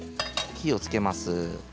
火をつけます。